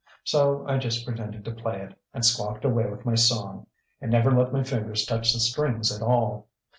So I just pretended to play it, and squawked away with my song, and never let my fingers touch the strings at all.